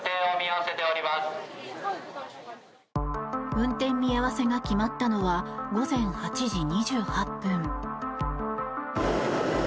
運転見合わせが決まったのは午前８時２８分。